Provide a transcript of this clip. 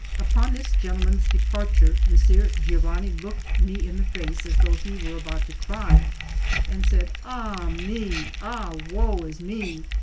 Upon this gentleman's departure, Messer Giovanni looked me in the face as though he were about to cry, and said: "Ah me! Ah woe is me!